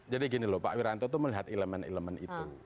jadi gini loh pak wiranto tuh melihat elemen elemen itu